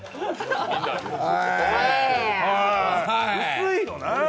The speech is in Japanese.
薄いよな。